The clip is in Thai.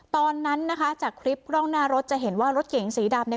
ตอนนั้นนะคะจากคลิปกล้องหน้ารถจะเห็นว่ารถเก๋งสีดำเนี่ย